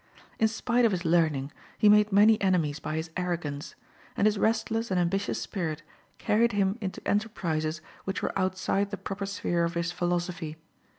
In spite of his learning he made many enemies by his arrogance; and his restless and ambitious spirit carried him into enterprises which were outside the proper sphere of his philosophy.